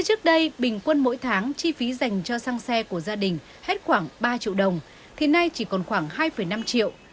trong một mươi tháng chi phí dành cho xăng xe của gia đình hết khoảng ba triệu đồng thì nay chỉ còn khoảng hai năm triệu